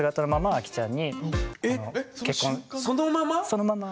そのまま？